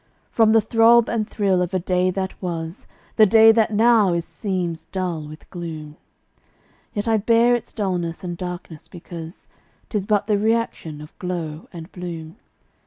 From the throb and thrill of a day that was, The day that now is seems dull with gloom; Yet I bear its dullness and darkness because 'Tis but the reaction of glow and bloom.